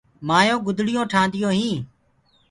مآيونٚ گُدڙيونٚ ٺآنديونٚ هينٚ۔